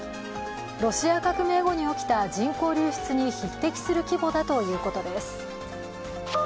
ロシア革命後に起きた人口流出に匹敵する規模だということです。